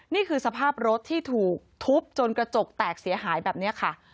นี่คือสภาพรถที่ถูกทุบจนกระจกแตกเสียหายแบบนี้ค่ะ